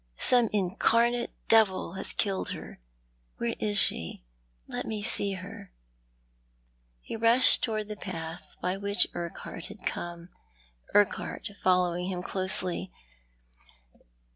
Some incarnate devil has killed her. Where is she ? Let mo see her." lie rushed towards the path by which Urquhart had come, Urquhart following hira closely.